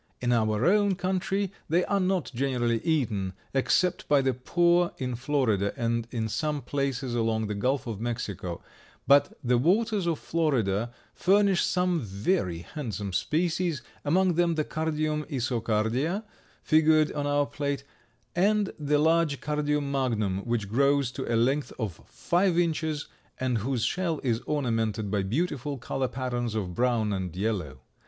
In our own country they are not generally eaten, except by the poor in Florida and in some places along the Gulf of Mexico, but the waters of Florida furnish some very handsome species, among them the Cardium isocardia figured on our plate, and the large Cardium magnum, which grows to a length of five inches and whose shell is ornamented by beautiful color patterns of brown and yellow.